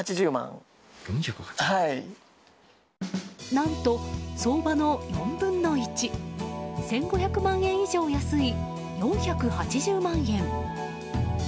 何と、相場の４分の１１５００万円以上安い４８０万円。